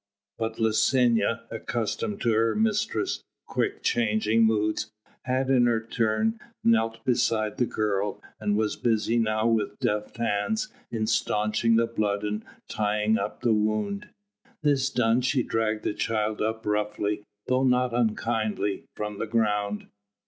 But Licinia, accustomed to her mistress's quick changing moods, had in her turn knelt beside the girl and was busy now with deft hands in staunching the blood and tying up the wound. This done she dragged the child up roughly, though not unkindly, from the ground.